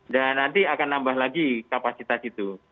dan nanti akan nambah lagi kapasitas itu